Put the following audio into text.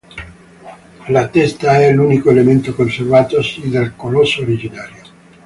La testa è l'unico elemento conservatosi del colosso originario.